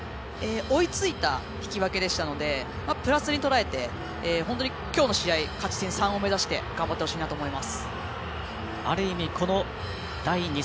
追いついた引き分けだったのでプラスにとらえてきょうの試合、勝ち点３を目指し頑張ってほしいと思います。